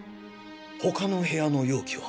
他の部屋の容器は？